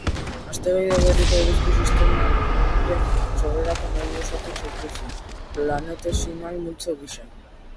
Asteroide gerrikoa Eguzki-sistemaren sorrerako nebulosatik sortu zen, planetesimal multzo gisa.